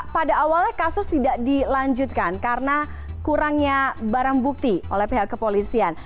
pada awalnya kasus tidak dilanjutkan karena kurangnya barang bukti oleh pihak kepolisian